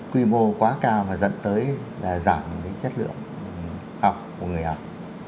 quy mô quá cao và dẫn tới là giảm cái chất lượng học của người học